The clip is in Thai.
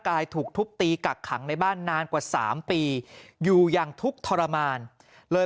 ถูกทุบตีกักขังในบ้านนานกว่า๓ปีอยู่อย่างทุกข์ทรมานเลย